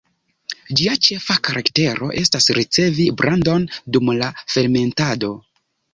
Ĝia ĉefa karaktero estas ricevi brandon dum la fermentado.